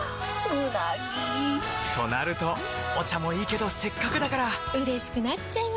うなぎ！となるとお茶もいいけどせっかくだからうれしくなっちゃいますか！